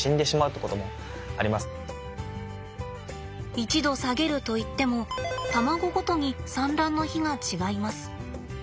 １℃下げるといっても卵ごとに産卵の日が違います。